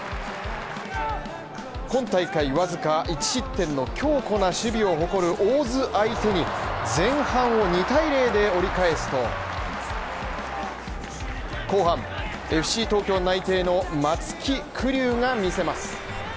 今大会わずか１失点の強固な守備を誇る大津相手に前半を２対０で折り返すと、後半ＦＣ東京内定の松木玖生が見せます。